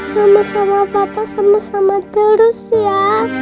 mama sama papa sama sama terus ya